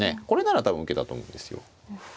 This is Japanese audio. これなら多分受けたと思うんですよ。